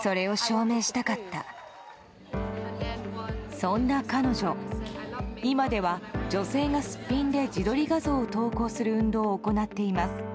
そんな彼女、今では女性がすっぴんで自撮り画像を投稿する運動を行っています。